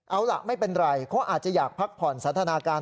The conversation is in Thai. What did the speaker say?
เอาล่ะไม่เป็นไรเขาอาจจะอยากพักผ่อนสันทนาการ